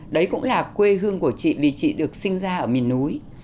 đấy cũng là quê hương của chị vì chị được sinh ra ở miền núi